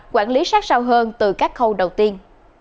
quản lý sát sao hơn từ các khâu đầu tiên